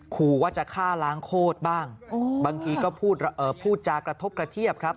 ขู่ว่าจะฆ่าล้างโคตรบ้างบางทีก็พูดจากกระทบกระเทียบครับ